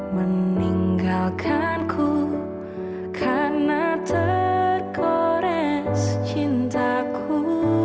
meninggalkanku karena terkores cintaku